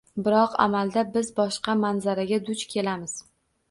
Biroq amalda biz boshqa manzaraga duch kelamiz.